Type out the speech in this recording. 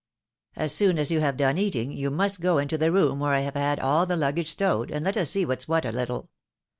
" As soon as you have done eating, you must go into the room where I have had all the luggage stowed, and let us see what's what a little.